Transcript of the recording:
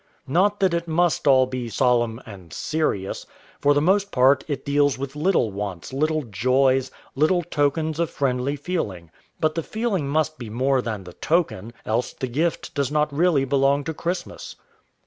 Not that it must all be solemn and serious. For the most part it deals with little wants, little joys, little tokens of friendly feeling. But the feeling must be more than the token; else the gift does not really belong to Christmas.